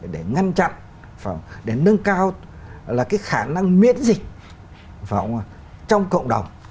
để ngăn chặn để nâng cao là cái khả năng miễn dịch trong cộng đồng